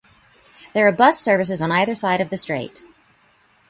There are bus services on either side of the strait.